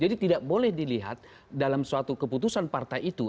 jadi tidak boleh dilihat dalam suatu keputusan partai itu